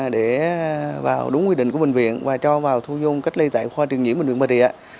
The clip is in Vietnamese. để vào đúng quy định của bệnh viện và cho vào thu dung cách ly tại khoa truyền nhiễm bệnh viện bà rịa